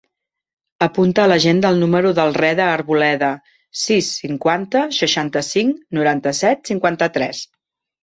Apunta a l'agenda el número del Reda Arboleda: sis, cinquanta, seixanta-cinc, noranta-set, cinquanta-tres.